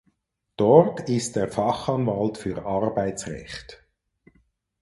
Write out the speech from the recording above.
Dort ist er Fachanwalt für Arbeitsrecht.